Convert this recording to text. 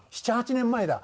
７８年前だ。